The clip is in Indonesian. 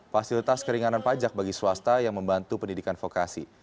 fasilitas keringanan pajak bagi swasta yang membantu pendidikan vokasi